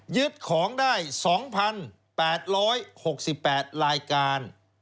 ยึดของได้๒๘๖๘รายการ